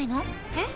えっ？